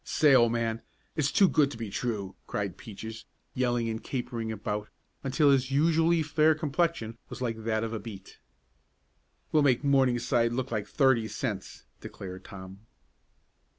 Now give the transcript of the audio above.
"Say, old man, it's too good to be true!" cried Peaches, yelling and capering about until his usually fair complexion was like that of a beet. "We'll make Morningside look like thirty cents!" declared Tom.